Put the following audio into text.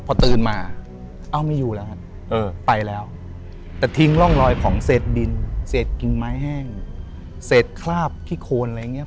พอตื่นมาเอ้าไม่อยู่แล้วครับเออไปแล้วแต่ทิ้งร่องรอยของเศษดินเศษกิ่งไม้แห้งเศษคราบขี้โคนอะไรอย่างเงี้